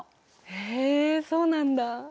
へえそうなんだ。